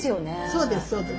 そうですそうです。